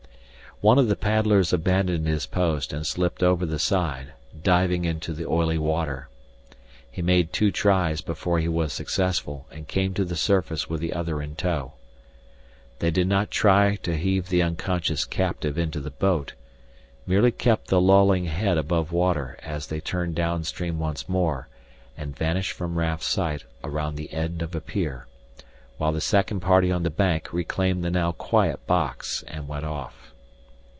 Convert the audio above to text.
One of the paddlers abandoned his post and slipped over the side, diving into the oily water. He made two tries before he was successful and came to the surface with the other in tow. They did not try to heave the unconscious captive into the boat, merely kept the lolling head above water as they turned downstream once more and vanished from Raf's sight around the end of a pier, while the second party on the bank reclaimed the now quiet box and went off.